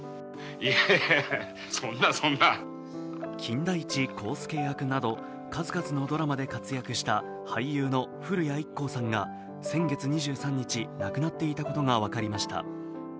金田一耕助役など数々のドラマで活躍した俳優の古谷一行さんが先月２３日亡くなっていたことが分かりました。